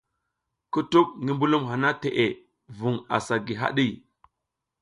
Kutuɓ ti mbulum hana teʼe vun asa gi haɗi.